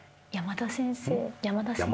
山田先生。